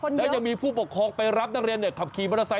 และจะมีผู้ปกครองไปรับนักเรียนขับขี่มันไทย